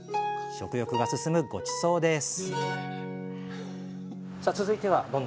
食欲が進むごちそうです